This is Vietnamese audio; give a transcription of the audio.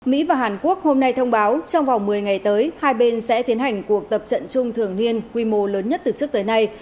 mỹ và hàn quốc hôm nay thông báo trong vòng một mươi ngày tới hai bên sẽ tiến hành cuộc tập trận chung thường niên quy mô lớn nhất từ trước tới nay